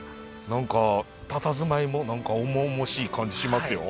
何かたたずまいも重々しい感じしますよ。